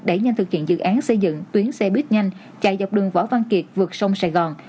đẩy nhanh thực hiện dự án xây dựng tuyến xe buýt nhanh chạy dọc đường võ văn kiệt vượt sông sài gòn